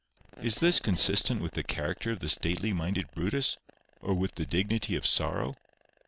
Is this consistent with the character of the stately minded Brutus, or with the dignity of sorrow?